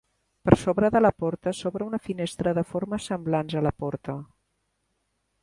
Per sobre de la porta s'obre una finestra de formes semblants a la porta.